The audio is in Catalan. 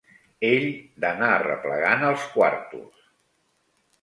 Ell d'anar arreplegant els quartos